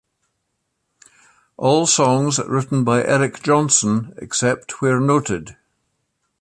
All songs written by Eric Johnson, except where noted.